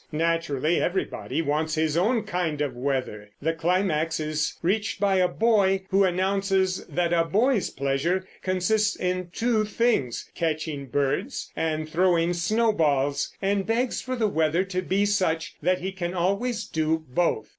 Naturally everybody wants his own kind of weather. The climax is reached by a boy who announces that a boy's pleasure consists in two things, catching birds and throwing snowballs, and begs for the weather to be such that he can always do both.